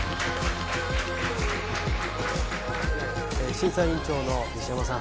審査員長の西山さん。